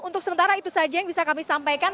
untuk sementara itu saja yang bisa kami sampaikan